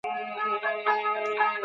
هغې انډول ساتلی و.